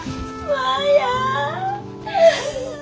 マヤ！